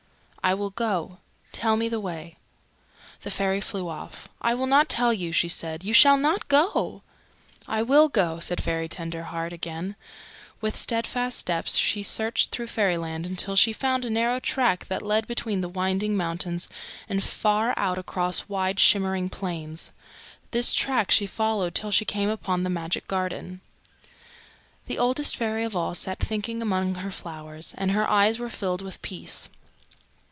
"I will go. Tell me the way." The fairy flew off. "I will not tell you," she said. "You shall not go." "I will go," said Fairy Tenderheart again. With steadfast steps she searched through Fairyland until she found a narrow track that led between the winding mountains and far out across wide, shimmering plains. This track she followed till she came upon the Magic Garden. The Oldest Fairy of All sat thinking among her flowers, and her eyes were filled with peace.